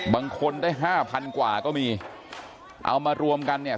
บางคนได้ห้าพันกว่าก็มีเอามารวมกันเนี่ย